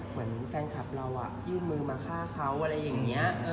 เหมือนแฟนคลับเรายื่นมือมาฆ่าเขาอะไรอย่างนี้